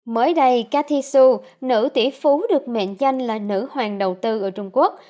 mới đây cathy xu nữ tỷ phú được mệnh danh là nữ hoàng đầu tư ở trung quốc